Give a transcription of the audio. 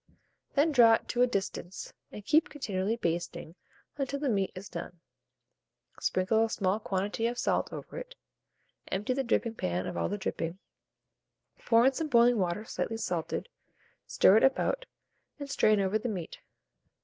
Then draw it to a distance, and keep continually basting until the meat is done. Sprinkle a small quantity of salt over it, empty the dripping pan of all the dripping, pour in some boiling water slightly salted, stir it about, and strain over the meat.